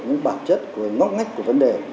những bản chất của ngóc ngách của vấn đề